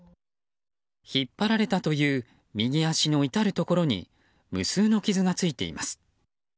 引っ張られたという右足の至るところに無数の傷がついています。